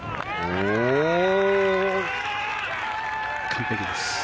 完璧です。